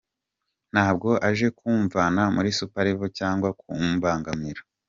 Ntabwo aje kumvana muri Super Level cyangwa kumbangamira.